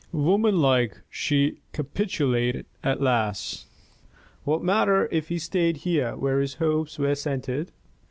Womanlike, she capitulated at last. What matter if he stayed here where his hopes were centred?